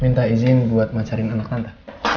minta izin buat mencari anak tante